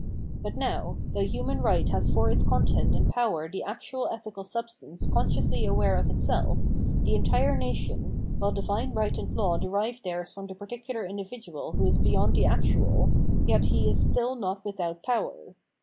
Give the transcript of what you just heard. But, now, though human right has for its content and power the actual ethical substance consciously aware of itself, the entire nation, while divine right and law derive theirs from the particular individual who is beyond the actual, yet he is stni not without power.